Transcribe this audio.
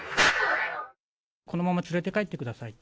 このまま連れて帰ってください。